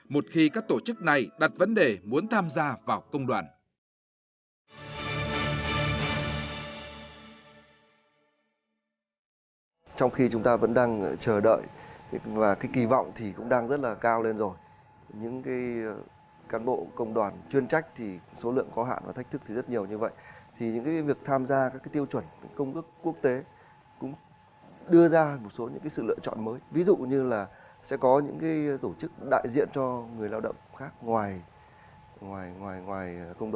một khi các tổ chức này đặt vấn đề muốn tham gia vào công đoàn